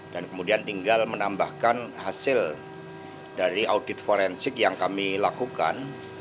dan kemudian tinggal menambahkan hasil dari audit forensik yang kami lakukan